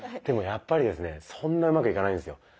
でもやっぱりですねそんなうまくいかないんですよ。